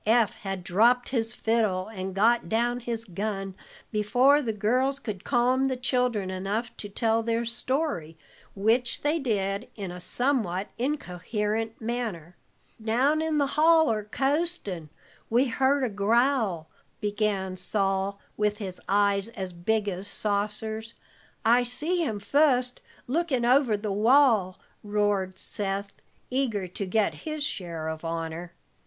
Eph had dropped his fiddle, and got down his gun before the girls could calm the children enough to tell their story, which they did in a somewhat incoherent manner. "Down in the holler, coastin', we heard a growl," began Sol, with his eyes as big as saucers. "I see him fust lookin' over the wall," roared Seth, eager to get his share of honor.